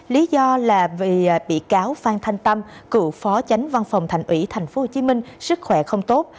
lý do là vì bị cáo phan thanh tâm cựu phó tránh văn phòng thành ủy tp hcm sức khỏe không tốt